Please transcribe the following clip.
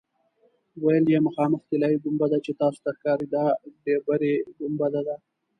ویل یې مخامخ طلایي ګنبده چې تاسو ته ښکاري دا ډبرې ګنبده ده.